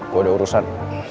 gue udah urusan